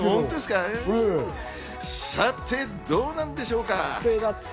さて、どうなんでしょうか？